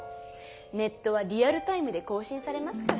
ネットはリアルタイムで更新されますから。